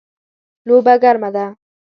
لوبه ګرمه ده